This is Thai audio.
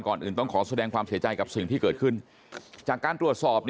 อื่นต้องขอแสดงความเสียใจกับสิ่งที่เกิดขึ้นจากการตรวจสอบ